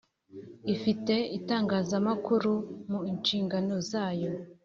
Ifite itangazamakuru mu nshingano zayo